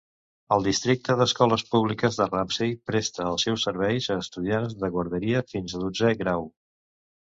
El districte d'escoles públiques de Ramsey presta els seus serveis a estudiants de guarderia fins a dotzè grau.